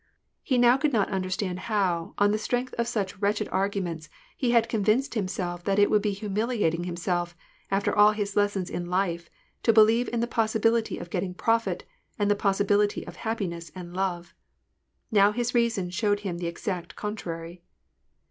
He now could not understand how, on the strength of such wretched arguments, he had convinced himself that it would be humiliating himself, after all his lessons in life, to believe in the possibility of getting profit, and the possibility of hap piness and love. Now his reason showed him the exact con trary.